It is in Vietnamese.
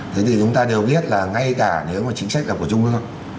thế thì chúng ta đều biết là ngay cả nếu mà chính sách là của trung quốc